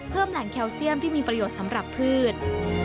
แหล่งแคลเซียมที่มีประโยชน์สำหรับพืช